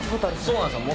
「そうなんですよ」